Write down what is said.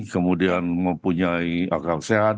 kemudian mempunyai akal sehat